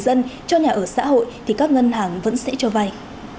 nếu người dân cho nhà ở xã hội thì các ngân hàng vẫn sẽ cho vay